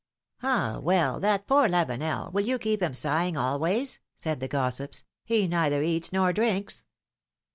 ^^Ah ! well, that poor Lavenel, will you keep him sighing always ? said the gossips ; he neither eats nor drinks